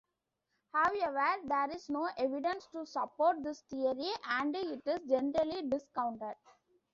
However, there is no evidence to support this theory and it is generally discounted.